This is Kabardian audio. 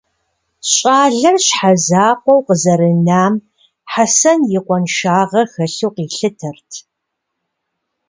Щӏалэр щхьэзакъуэу къызэрынам Хьэсэн и къуэншагъэ хэлъу къилъытэрт.